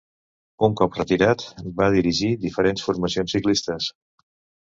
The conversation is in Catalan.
Un cop retirat va dirigir diferents formacions ciclistes.